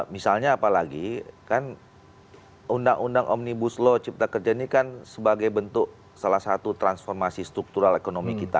misalnya apalagi kan undang undang omnibus law cipta kerja ini kan sebagai bentuk salah satu transformasi struktural ekonomi kita